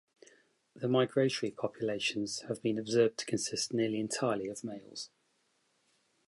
The migratory populations have been observed to consist nearly entirely of males.